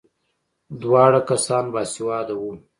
دواړه کسان باسواده وو.